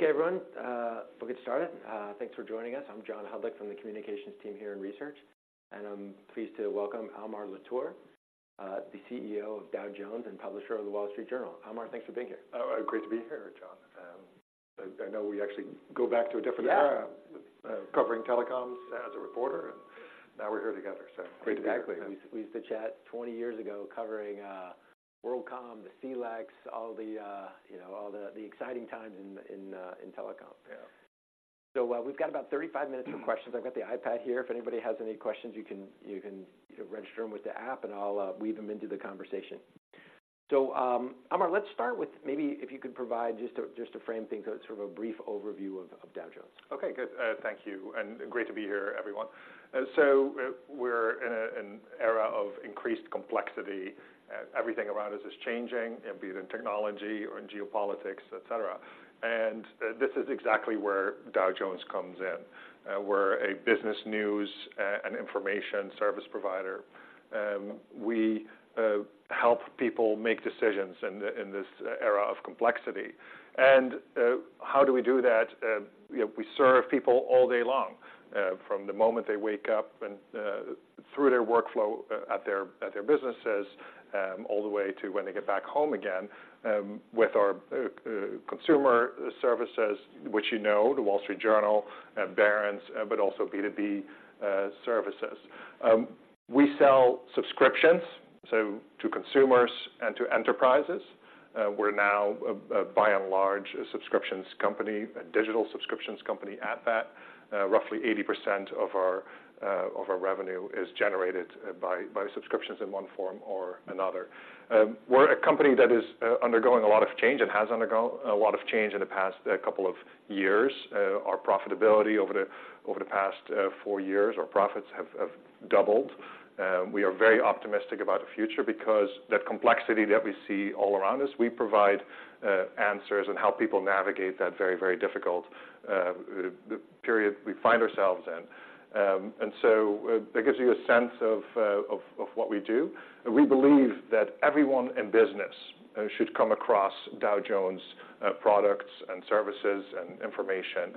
Okay, everyone, we'll get started. Thanks for joining us. I'm John Hodulik from the communications team here in research, and I'm pleased to welcome Almar Latour, the CEO of Dow Jones and Publisher of The Wall Street Journal. Almar, thanks for being here. Oh, great to be here, John. I know we actually go back to a different era- Yeah. - covering telecoms as a reporter, and now we're here together, so great to be here. Exactly. We used to chat 20 years ago covering WorldCom, the CLECs, all the, you know, all the, the exciting times in telecom. Yeah. So, we've got about 35 minutes for questions. I've got the iPad here. If anybody has any questions, you can, you know, register them with the app, and I'll weave them into the conversation. Almar, let's start with maybe if you could provide just to frame things, sort of a brief overview of Dow Jones. Okay, good. Thank you, and great to be here, everyone. So we're in an era of increased complexity. Everything around us is changing, be it in technology or in geopolitics, et cetera. And this is exactly where Dow Jones comes in. We're a business news and information service provider. We help people make decisions in this era of complexity. And how do we do that? You know, we serve people all day long, from the moment they wake up and through their workflow at their businesses, all the way to when they get back home again, with our consumer services, which you know, The Wall Street Journal and Barron's, but also B2B services. We sell subscriptions, so to consumers and to enterprises. We're now, by and large, a subscriptions company, a digital subscriptions company at that. Roughly 80% of our revenue is generated by subscriptions in one form or another. We're a company that is undergoing a lot of change and has undergone a lot of change in the past couple of years. Our profitability over the past four years, our profits have doubled. We are very optimistic about the future because that complexity that we see all around us, we provide answers and help people navigate that very, very difficult period we find ourselves in. So that gives you a sense of what we do. We believe that everyone in business should come across Dow Jones' products and services and information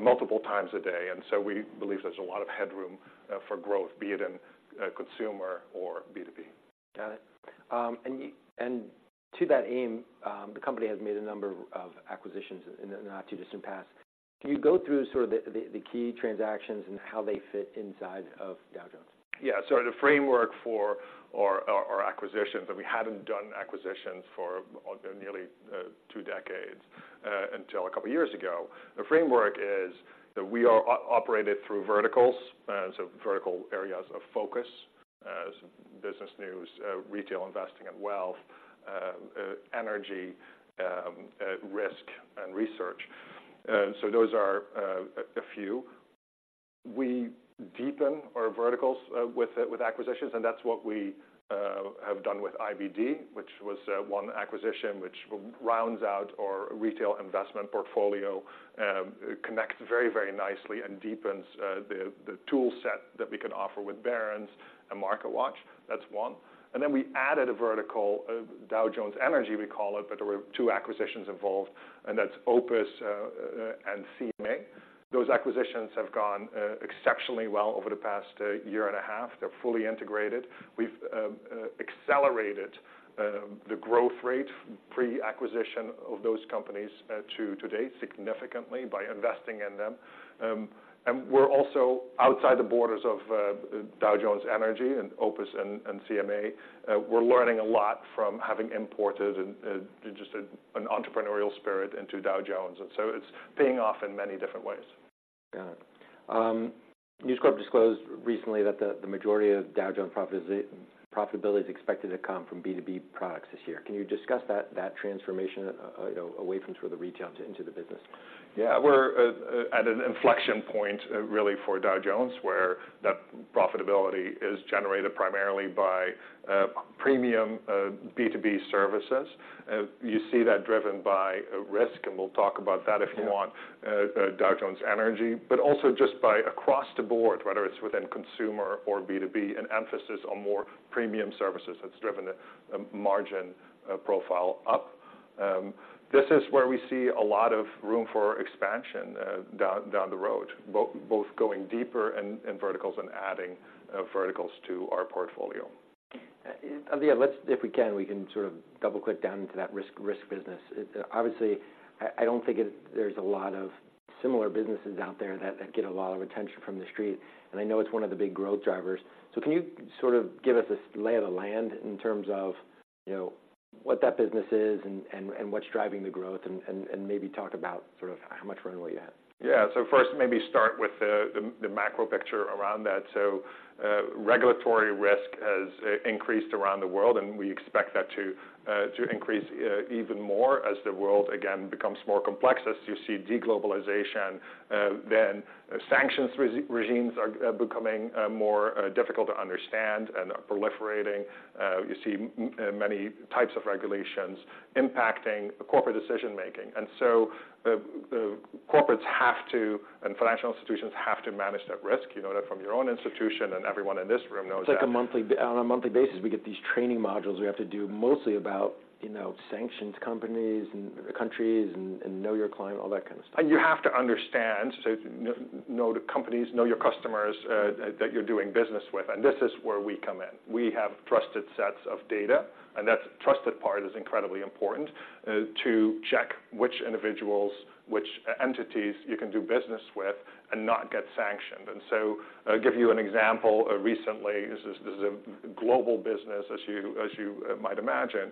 multiple times a day, and so we believe there's a lot of headroom for growth, be it in consumer or B2B. Got it. And to that aim, the company has made a number of acquisitions in the not-too-distant past. Can you go through sort of the key transactions and how they fit inside of Dow Jones? Yeah. So the framework for our acquisitions, and we hadn't done acquisitions for nearly two decades until a couple of years ago. The framework is that we are operated through verticals, so vertical areas of focus, so business news, retail investing and wealth, energy, risk, and research. So those are a few. We deepen our verticals with acquisitions, and that's what we have done with IBD, which was one acquisition, which rounds out our retail investment portfolio. It connects very, very nicely and deepens the toolset that we can offer with Barron's and MarketWatch. That's one. And then we added a vertical, Dow Jones Energy, we call it, but there were two acquisitions involved, and that's OPIS and CMA. Those acquisitions have gone exceptionally well over the past year and a half. They're fully integrated. We've accelerated the growth rate pre-acquisition of those companies to today, significantly by investing in them. And we're also outside the borders of Dow Jones Energy and OPIS and CMA. We're learning a lot from having imported and just an entrepreneurial spirit into Dow Jones, and so it's paying off in many different ways. Got it. News Corp disclosed recently that the majority of Dow Jones profitability is expected to come from B2B products this year. Can you discuss that transformation, you know, away from sort of the retail into the business? Yeah. We're at an inflection point, really, for Dow Jones, where that profitability is generated primarily by premium B2B services. You see that driven by risk, and we'll talk about that if you want- Yeah.... Dow Jones Energy, but also just by across the board, whether it's within consumer or B2B, an emphasis on more premium services that's driven a margin profile up. This is where we see a lot of room for expansion, down the road, both going deeper in verticals and adding verticals to our portfolio. Yeah, let's... If we can, we can sort of double-click down into that risk business. Obviously, I don't think there's a lot of similar businesses out there that get a lot of attention from the street, and I know it's one of the big growth drivers. So can you sort of give us a lay of the land in terms of, you know, what that business is and what's driving the growth, and maybe talk about sort of how much runway you have? Yeah. So first, maybe start with the macro picture around that. So, regulatory risk has increased around the world, and we expect that to increase even more as the world again becomes more complex. As you see de-globalization, then sanctions regimes are becoming more difficult to understand and are proliferating. You see many types of regulations impacting corporate decision-making, and so the corporates have to, and financial institutions have to manage that risk. You know that from your own institution, and everyone in this room knows that. It's like, on a monthly basis, we get these training modules we have to do mostly about—you know, sanctions, companies and countries, and know your client, all that kind of stuff. And you have to understand, so know the companies, know your customers, that, that you're doing business with, and this is where we come in. We have trusted sets of data, and that trusted part is incredibly important, to check which individuals, which entities you can do business with and not get sanctioned. And so, I'll give you an example. Recently, this is a global business, as you, as you, might imagine.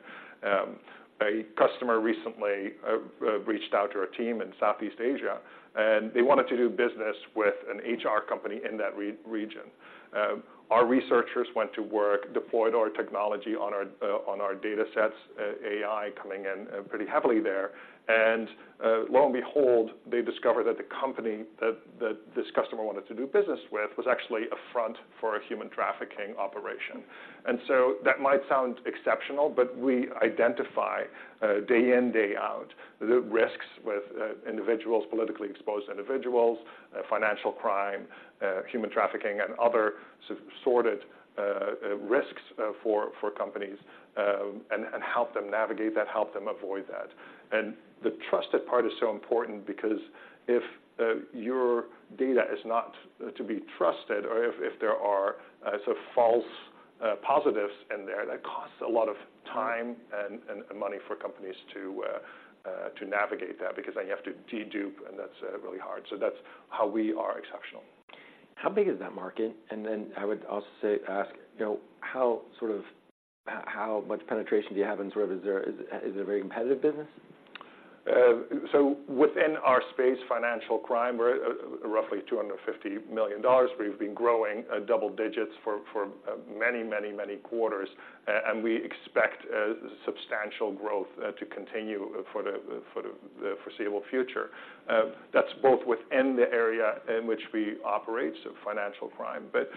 A customer recently reached out to our team in Southeast Asia, and they wanted to do business with an HR company in that region. Our researchers went to work, deployed our technology on our, on our data sets, AI coming in, pretty heavily there. And, lo and behold, they discovered that the company that this customer wanted to do business with was actually a front for a human trafficking operation. And so that might sound exceptional, but we identify day in, day out, the risks with individuals, politically exposed individuals, financial crime, human trafficking, and other sort of sordid risks for companies, and help them navigate that, help them avoid that. And the trusted part is so important because if your data is not to be trusted or if there are sort of false positives in there, that costs a lot of time and money for companies to navigate that, because then you have to dedup, and that's really hard. So that's how we are exceptional. How big is that market? And then I would also say, ask, you know, how, sort of, how, how much penetration do you have, and sort of, is there, is, is it a very competitive business? So within our space, financial crime, we're roughly $250 million. We've been growing double digits for many, many, many quarters, and we expect substantial growth to continue for the foreseeable future. That's both within the area in which we operate, so financial crime. But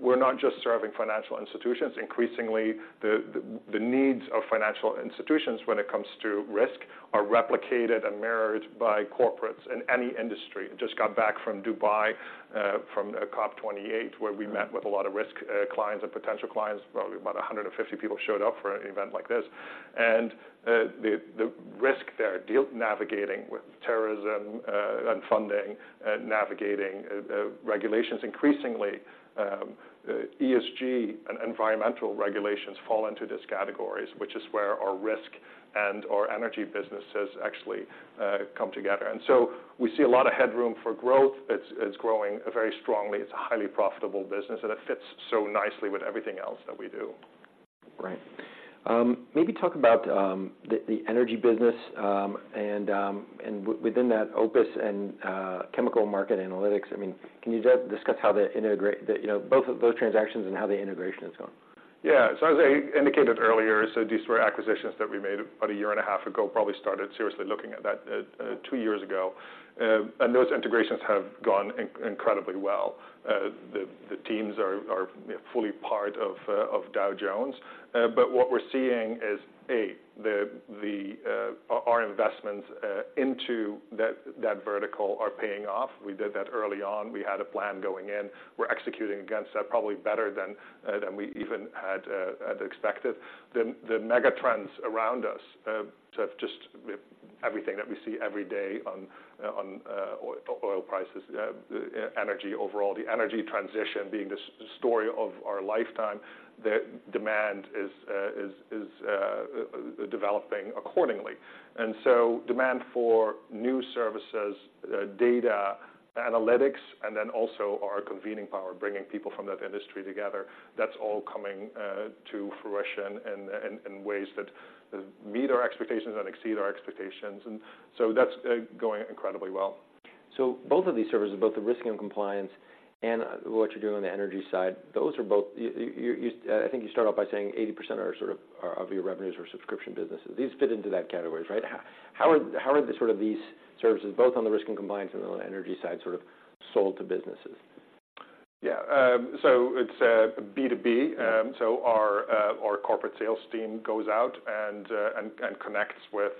we're not just serving financial institutions. Increasingly, the needs of financial institutions when it comes to risk are replicated and mirrored by corporates in any industry. Just got back from Dubai, from COP28, where we met with a lot of risk clients and potential clients. Probably about 150 people showed up for an event like this. The risk there, deal navigating with terrorism and funding, navigating regulations, increasingly, ESG and environmental regulations fall into these categories, which is where our risk and our energy businesses actually come together. And so we see a lot of headroom for growth. It's growing very strongly. It's a highly profitable business, and it fits so nicely with everything else that we do. Right. Maybe talk about the energy business and within that, OPIS and Chemical Market Analytics. I mean, can you just discuss how they integrate? You know, both of those transactions and how the integration is going? Yeah. As I indicated earlier, these were acquisitions that we made about 1.5 years ago. Probably started seriously looking at that two years ago, and those integrations have gone incredibly well. The teams are, you know, fully part of Dow Jones. But what we're seeing is, A, our investments into that vertical are paying off. We did that early on. We had a plan going in. We're executing against that, probably better than we even had expected. The megatrends around us, so just everything that we see every day on oil prices, energy overall, the energy transition being the story of our lifetime, the demand is developing accordingly. And so demand for new services, data, analytics, and then also our convening power, bringing people from that industry together, that's all coming to fruition in ways that meet our expectations and exceed our expectations. And so that's going incredibly well. So both of these services, both the Risk and Compliance and what you're doing on the Energy side, those are both... You, I think you start off by saying 80% are sort of of your revenues are subscription businesses. These fit into that category, right? How are the sort of these services, both on the Risk and Compliance and on the Energy side, sort of sold to businesses? Yeah, so it's B2B. Yeah. So our corporate sales team goes out and connects with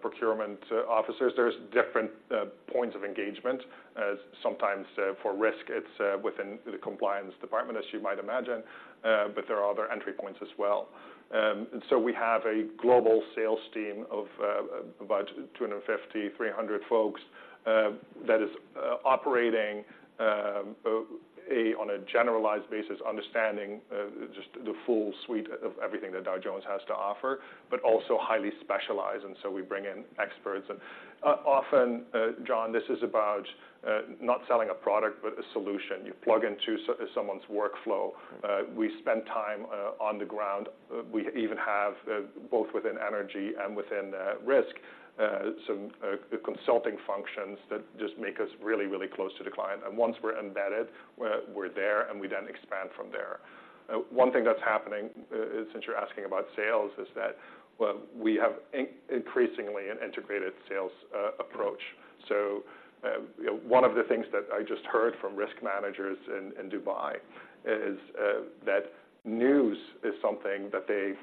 procurement officers. There's different points of engagement. Sometimes, for risk, it's within the compliance department, as you might imagine, but there are other entry points as well. And so we have a global sales team of about 250-300 folks that is operating on a generalized basis, understanding just the full suite of everything that Dow Jones has to offer, but also highly specialized, and so we bring in experts. And often, John, this is about not selling a product, but a solution. You plug into someone's workflow. We spend time on the ground. We even have both within energy and within risk some consulting functions that just make us really, really close to the client. And once we're embedded, we're there, and we then expand from there. One thing that's happening since you're asking about sales is that, well, we have increasingly an integrated sales approach. So, you know, one of the things that I just heard from risk managers in Dubai is that news is something that they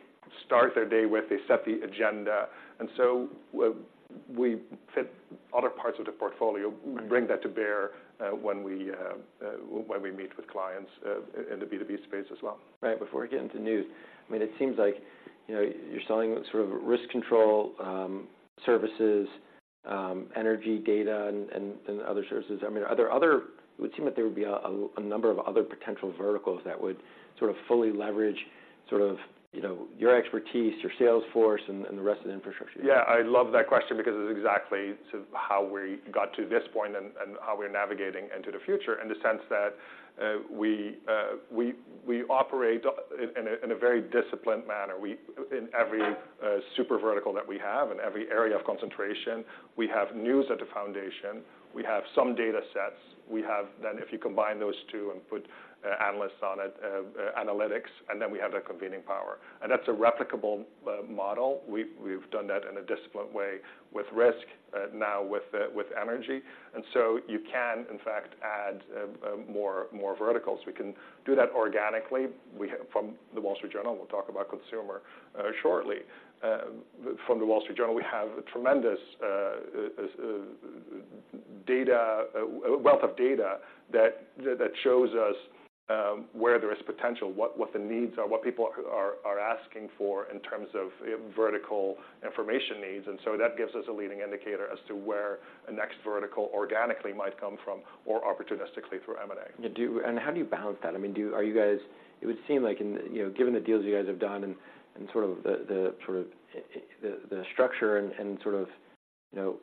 start their day with. They set the agenda. And so we fit other parts of the portfolio, bring that to bear when we meet with clients in the B2B space as well. Right. Before we get into news, I mean, it seems like, you know, you're selling sort of risk control services, energy data and other services. I mean, are there other? It would seem that there would be a number of other potential verticals that would sort of fully leverage sort of, you know, your expertise, your sales force, and the rest of the infrastructure. Yeah, I love that question because it's exactly sort of how we got to this point and how we're navigating into the future, in the sense that we operate in a very disciplined manner. In every super vertical that we have, in every area of concentration, we have news at the foundation, we have some data sets. Then if you combine those two and put analysts on it, analytics, and then we have that convening power, and that's a replicable model. We've done that in a disciplined way with risk, now with energy. And so you can, in fact, add more verticals. We can do that organically. From The Wall Street Journal, we'll talk about consumer shortly. From The Wall Street Journal, we have tremendous data. A wealth of data that shows us where there is potential, what the needs are, what people are asking for in terms of vertical information needs. And so that gives us a leading indicator as to where the next vertical organically might come from or opportunistically through M&A. And how do you balance that? I mean, are you guys... It would seem like in, you know, given the deals you guys have done and sort of the structure and sort of, you know,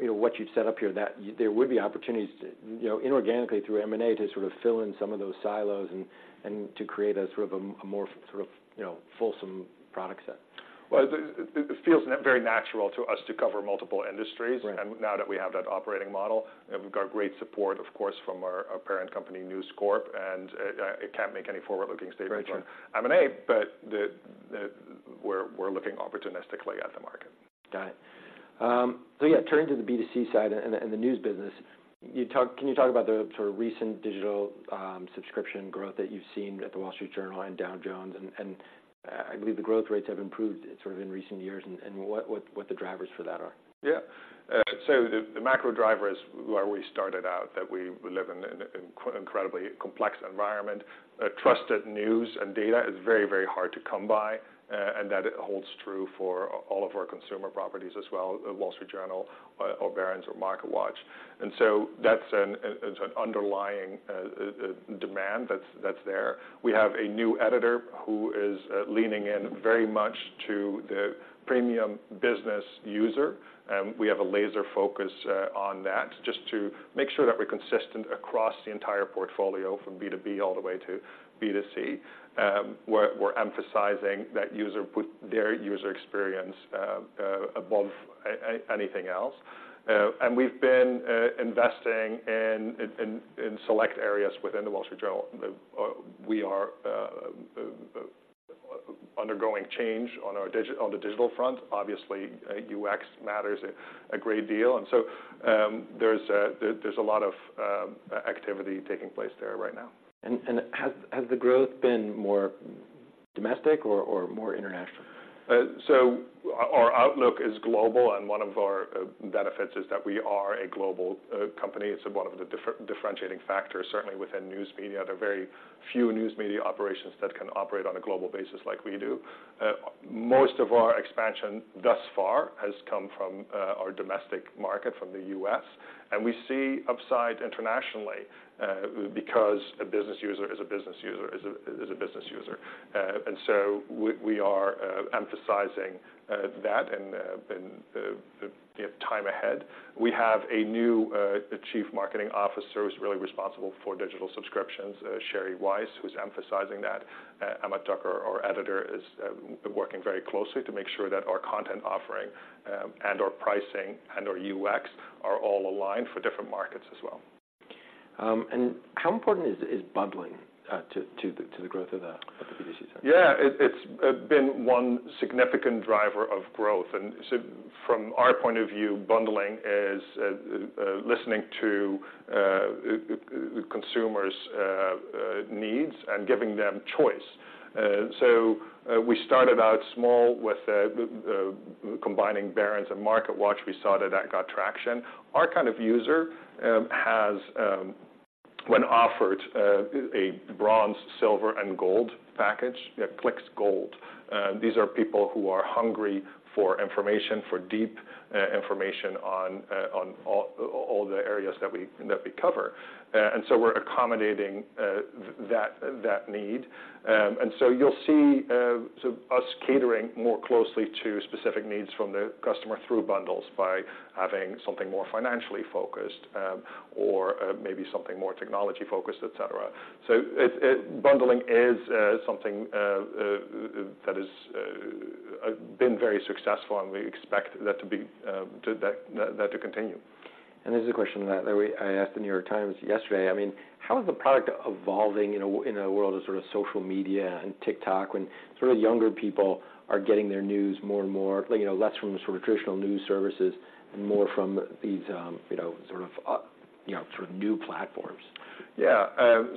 what you've set up here, that there would be opportunities to, you know, inorganically, through M&A, to sort of fill in some of those silos and to create a sort of a more fulsome product set. Well, it feels very natural to us to cover multiple industries- Right. Now that we have that operating model. We've got great support, of course, from our parent company, News Corp, and I can't make any forward-looking statements on- Right. M&A, but we're looking opportunistically at the market. Got it. So yeah, turning to the B2C side and the news business, can you talk about the sort of recent digital subscription growth that you've seen at The Wall Street Journal and Dow Jones? I believe the growth rates have improved sort of in recent years, and what the drivers for that are. Yeah. So the macro drivers, where we started out, that we live in an incredibly complex environment, trusted news and data is very, very hard to come by, and that it holds true for all of our consumer properties as well, The Wall Street Journal, or Barron's, or MarketWatch. So that's an underlying demand that's there. We have a new editor who is leaning in very much to the premium business user, and we have a laser focus on that, just to make sure that we're consistent across the entire portfolio, from B2B all the way to B2C. We're emphasizing that user put their user experience above anything else. And we've been investing in select areas within The Wall Street Journal. We are undergoing change on the digital front. Obviously, UX matters a great deal, and so, there's a lot of activity taking place there right now. And has the growth been more domestic or more international? So our outlook is global, and one of our benefits is that we are a global company. It's one of the differentiating factors, certainly within news media. There are very few news media operations that can operate on a global basis like we do. Most of our expansion thus far has come from our domestic market, from the U.S., and we see upside internationally because a business user is a business user, is a, is a business user. And so we, we are emphasizing that and in the time ahead. We have a new Chief Marketing Officer who's really responsible for digital subscriptions, Sherry Weiss, who's emphasizing that. Emma Tucker, our editor, is working very closely to make sure that our content offering, and our pricing and our UX are all aligned for different markets as well. How important is bundling to the growth of the B2C side? Yeah, it's been one significant driver of growth. And so from our point of view, bundling is listening to consumers' needs and giving them choice. So we started out small with combining Barron's and MarketWatch. We saw that got traction. Our kind of user has, when offered a bronze, silver, and gold package, clicks gold. These are people who are hungry for information, for deep information on all the areas that we cover. And so we're accommodating that need. And so you'll see sort of us catering more closely to specific needs from the customer through bundles by having something more financially focused, or maybe something more technology focused, et cetera. So it... Bundling is something that has been very successful, and we expect that to continue. ... This is a question that I asked The New York Times yesterday. I mean, how is the product evolving in a world of sort of social media and TikTok, when sort of younger people are getting their news more and more, like, you know, less from sort of traditional news services and more from these, you know, sort of, you know, sort of new platforms? Yeah,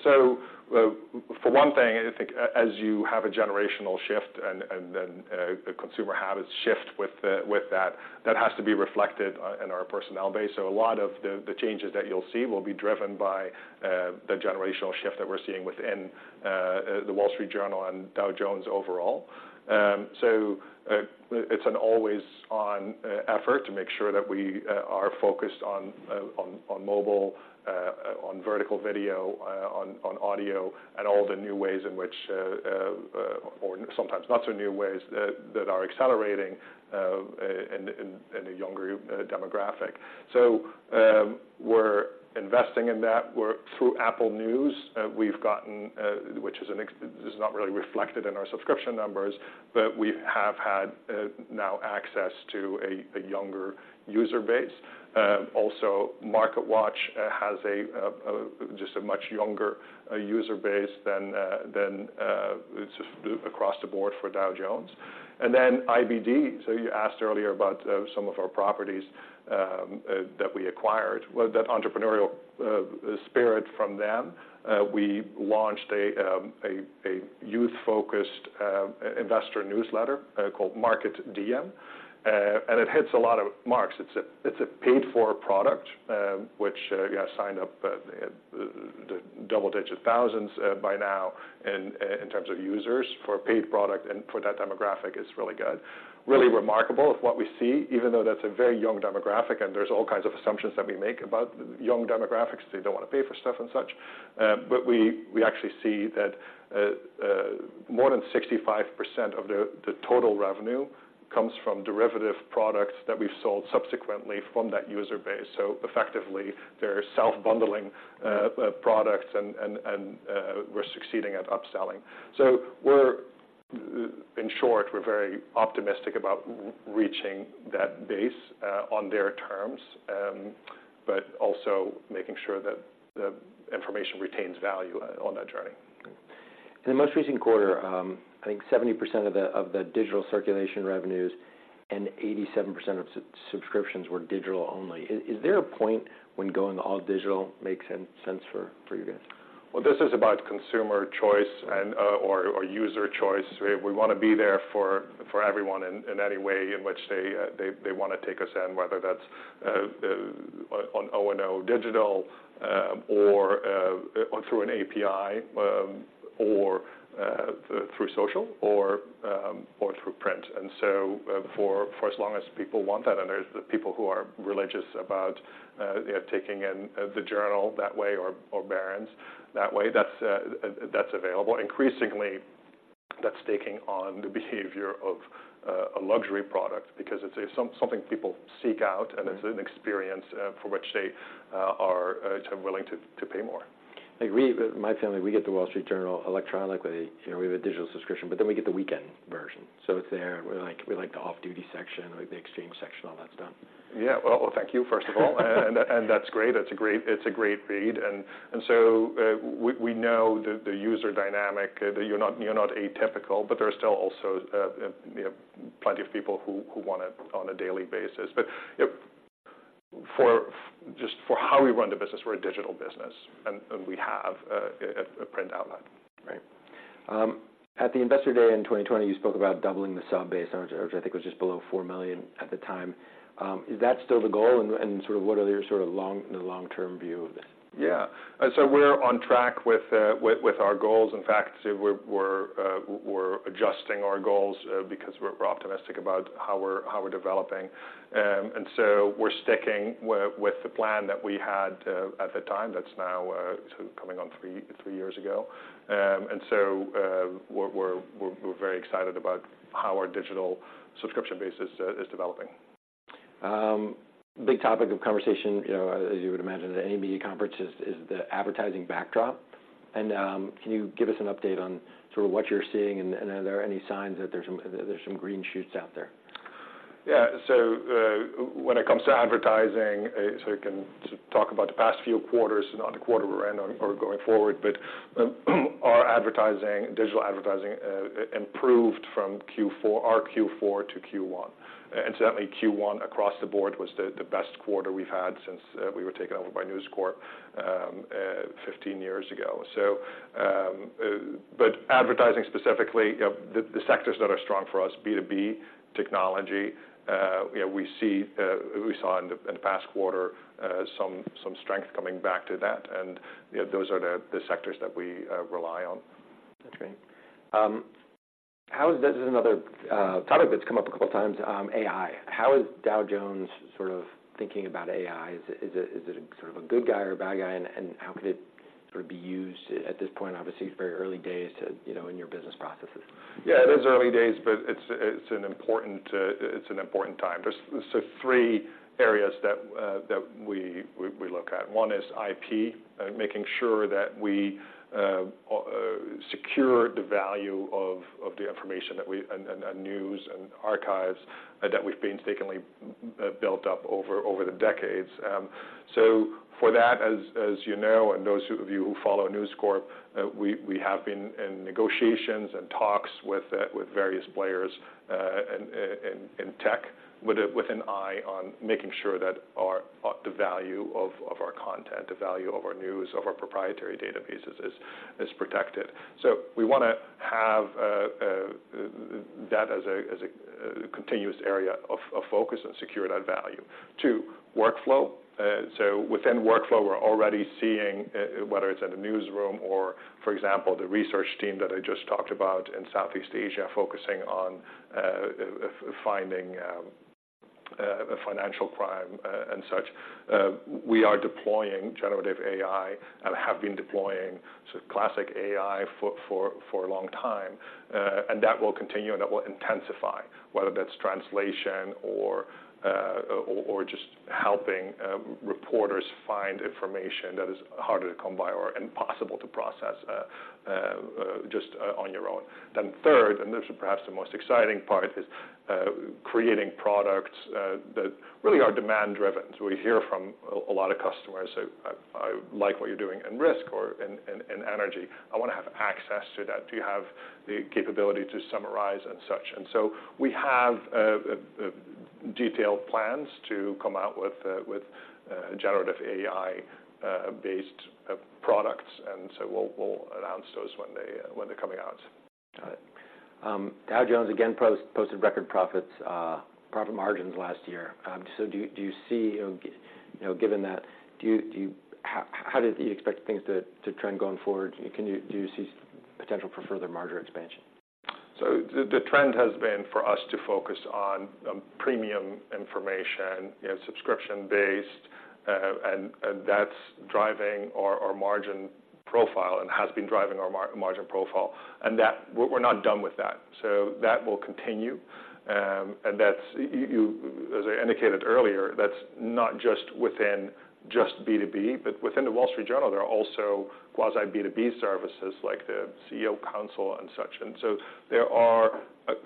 so, well, for one thing, I think as you have a generational shift and then the consumer habits shift with that, that has to be reflected in our personnel base. So a lot of the changes that you'll see will be driven by the generational shift that we're seeing within the Wall Street Journal and Dow Jones overall. So it's an always on effort to make sure that we are focused on mobile, on vertical video, on audio, and all the new ways in which or sometimes not so new ways that are accelerating in a younger demographic. So we're investing in that. We're through Apple News, we've gotten this is not really reflected in our subscription numbers, but we have had now access to a younger user base. Also, MarketWatch has just a much younger user base than just across the board for Dow Jones. And then IBD, so you asked earlier about some of our properties that we acquired. Well, that entrepreneurial spirit from them, we launched a youth-focused investor newsletter called MarketDiem, and it hits a lot of marks. It's a paid-for product, which yeah signed up the double-digit thousands by now in terms of users for a paid product and for that demographic, it's really good. Really remarkable is what we see, even though that's a very young demographic, and there's all kinds of assumptions that we make about young demographics. They don't want to pay for stuff and such. But we actually see that more than 65% of the total revenue comes from derivative products that we've sold subsequently from that user base. So effectively, they're self-bundling products and we're succeeding at upselling. So we're... In short, we're very optimistic about reaching that base on their terms, but also making sure that the information retains value on that journey. In the most recent quarter, I think 70% of the digital circulation revenues and 87% of subscriptions were digital only. Is there a point when going all digital makes sense for you guys? Well, this is about consumer choice and user choice. We wanna be there for everyone in any way in which they wanna take us in, whether that's on O&O Digital, or through an API, or through social, or through print. And so, for as long as people want that, and there's the people who are religious about, you know, taking in the journal that way or Barron's that way, that's available. Increasingly, that's taking on the behavior of a luxury product because it's something people seek out, and it's an experience for which they are willing to pay more. Like, we, my family, we get The Wall Street Journal electronically. You know, we have a digital subscription, but then we get the weekend version, so it's there. We like, we like the Off Duty section, we like The Exchange section, all that's done. Yeah. Well, thank you, first of all. And that's great. It's a great read. And so, we know the user dynamic, that you're not atypical, but there are still also, you know, plenty of people who want it on a daily basis. But yep, for just how we run the business, we're a digital business, and we have a print outlet. Right. At the Investor Day in 2020, you spoke about doubling the sub base, which I think was just below 4 million at the time. Is that still the goal? And sort of what are your long-term view of this? Yeah. So we're on track with our goals. In fact, we're adjusting our goals because we're optimistic about how we're developing. And so we're sticking with the plan that we had at the time. That's now sort of coming on 3 years ago. And so we're very excited about how our digital subscription base is developing. Big topic of conversation, you know, as you would imagine, at any media conference is the advertising backdrop. Can you give us an update on sort of what you're seeing, and are there any signs that there's some green shoots out there? Yeah. So, when it comes to advertising, so we can sort of talk about the past few quarters, not the quarter we're in or going forward, but our advertising, digital advertising, improved from Q4, our Q4-Q1. And certainly Q1, across the board, was the best quarter we've had since we were taken over by News Corp 15 years ago. So, but advertising, specifically, you know, the sectors that are strong for us, B2B, technology, you know, we see, we saw in the past quarter some strength coming back to that, and you know, those are the sectors that we rely on. Okay. How is the... Another topic that's come up a couple of times, AI. How is Dow Jones sort of thinking about AI? Is it, is it a sort of a good guy or a bad guy, and, and how could it sort of be used at this point? Obviously, it's very early days to, you know, in your business processes. Yeah, it is early days, but it's an important time. There's sort of three areas that we look at. One is IP, making sure that we secure the value of the information that we and news and archives, that we've painstakingly built up over the decades. So for that, as you know, and those of you who follow News Corp, we have been in negotiations and talks with various players in tech, with an eye on making sure that the value of our content, the value of our news, of our proprietary databases is protected. So we wanna have that as a continuous area of focus and secure that value. Two, workflow. So within workflow, we're already seeing whether it's in the newsroom or, for example, the research team that I just talked about in Southeast Asia, focusing on finding financial crime and such, we are deploying generative AI and have been deploying sort of classic AI for a long time. And that will continue, and that will intensify. Whether that's translation or just helping reporters find information that is harder to come by or impossible to process, just on your own. Then third, and this is perhaps the most exciting part, is creating products that really are demand-driven. So we hear from a lot of customers who say, "I like what you're doing in risk or in energy. I wanna have access to that. Do you have the capability to summarize and such?" And so we have detailed plans to come out with generative AI based products, and so we'll announce those when they're coming out. Got it. Dow Jones again posted record profits, profit margins last year. So do you see, you know, given that, do you... How do you expect things to trend going forward? Do you see potential for further margin expansion? So the trend has been for us to focus on premium information, you know, subscription-based, and that's driving our margin profile and has been driving our margin profile, and that we're not done with that. So that will continue. And that's, you as I indicated earlier, that's not just within B2B, but within The Wall Street Journal, there are also quasi-B2B services, like the CEO Council and such. And so there are,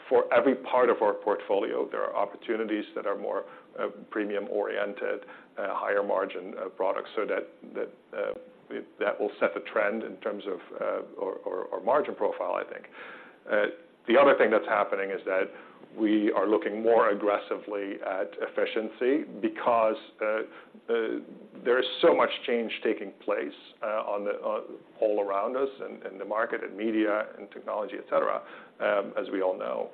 for every part of our portfolio, there are opportunities that are more premium-oriented, higher margin products. So that will set the trend in terms of our margin profile, I think. The other thing that's happening is that we are looking more aggressively at efficiency because there is so much change taking place all around us, in the market, in media, in technology, et cetera, as we all know.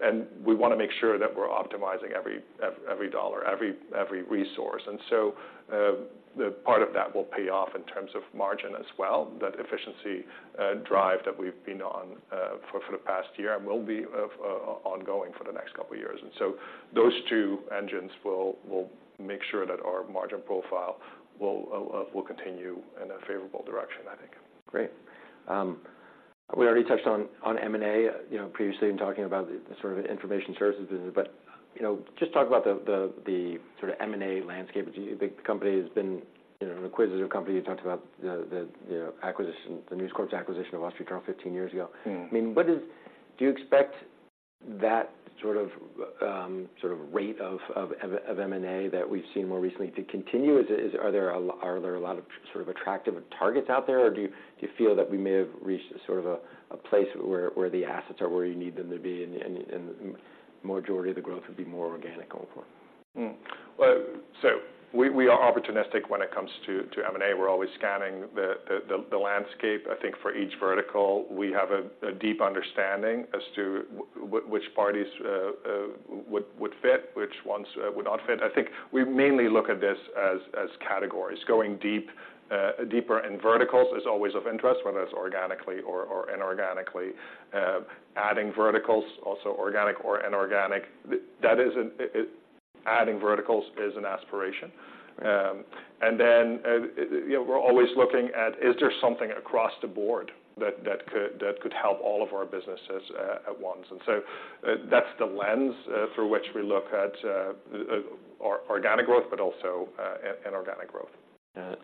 And we wanna make sure that we're optimizing every dollar, every resource. And so, the part of that will pay off in terms of margin as well, that efficiency drive that we've been on for the past year and will be ongoing for the next couple of years. And so those two engines will make sure that our margin profile will continue in a favorable direction, I think. Great. We already touched on M&A, you know, previously in talking about the sort of information services business. But, you know, just talk about the sort of M&A landscape. Do you think the company has been, you know, an acquisitive company? You talked about the acquisition, the News Corp's acquisition of Wall Street Journal 15 years ago. Mm-hmm. I mean, what do you expect that sort of rate of M&A that we've seen more recently to continue? Is it, are there a lot of sort of attractive targets out there, or do you feel that we may have reached sort of a place where the assets are where you need them to be, and majority of the growth would be more organic going forward? Well, so we are opportunistic when it comes to M&A. We're always scanning the landscape. I think for each vertical, we have a deep understanding as to which parties would fit, which ones would not fit. I think we mainly look at this as categories. Going deeper in verticals is always of interest, whether it's organically or inorganically. Adding verticals, also organic or inorganic, that is, adding verticals is an aspiration. And then, you know, we're always looking at, is there something across the board that could help all of our businesses at once? And so, that's the lens through which we look at our organic growth, but also inorganic growth.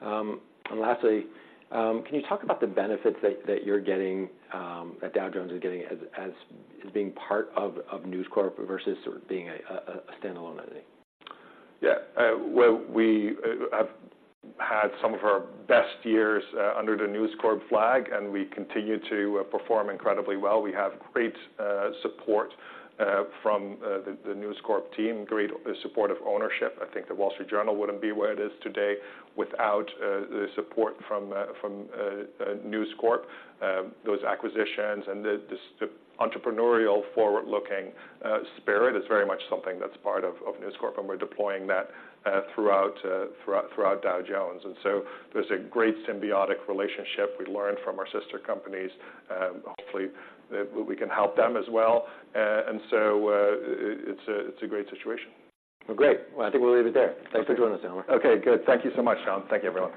And lastly, can you talk about the benefits that you're getting that Dow Jones is getting as being part of News Corp versus sort of being a standalone entity? Yeah, well, we have had some of our best years under the News Corp flag, and we continue to perform incredibly well. We have great support from the News Corp team, great supportive ownership. I think The Wall Street Journal wouldn't be where it is today without the support from News Corp. Those acquisitions and the entrepreneurial forward-looking spirit is very much something that's part of News Corp, and we're deploying that throughout Dow Jones. And so there's a great symbiotic relationship. We learn from our sister companies, hopefully we can help them as well. And so it's a great situation. Well, great. Well, I think we'll leave it there. Okay. Thanks for joining us, Almar. Okay, good. Thank you so much, John. Thank you, everyone.